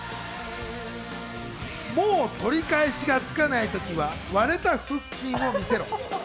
もう取り返しがつかない時は割れた腹筋を見せろ！